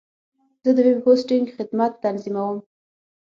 زه د ویب هوسټنګ خدمت تنظیموم.